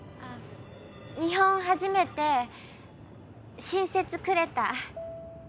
日本初めて親切くれた